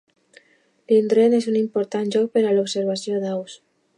L'indret és un important lloc per a l'observació d'aus.